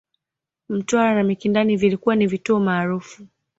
Mtwara na Mikindani vilikuwa ni vituo maarufu